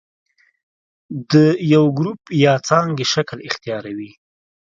د یو ګروپ یا څانګې شکل اختیاروي.